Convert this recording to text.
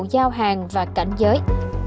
giao hàng và cảnh giới